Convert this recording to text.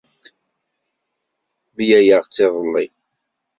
Mlaleɣ-tt iḍelli.